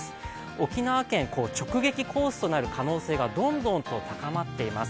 沖縄県を直撃コースとなる可能性がどんどんと高まっています。